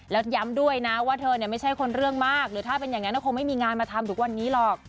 แล้วย้ำด้วยนะว่าเธอเนี่ยไม่ใช่คนเรื่องมากหรือถ้าเป็นอย่างนั้นคงไม่มีงานมาทำทุกวันนี้หรอก